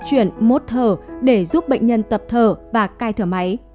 bác sĩ quyết định chuyển mốt thở để giúp bệnh nhân tập thở và cai thở máy